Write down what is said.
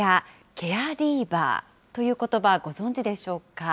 ケアリーバーということば、ご存じでしょうか。